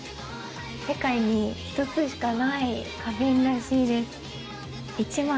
世界に一つしかない花瓶らしいです。